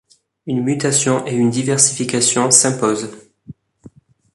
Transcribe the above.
Une mutation et une diversification s'imposent.